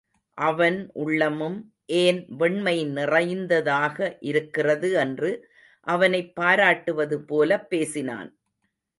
அவன் உள்ளமும் ஏன் வெண்மை நிறைந்ததாக இருக்கிறது என்று அவனைப் பாராட்டுவது போலப் பேசினான்.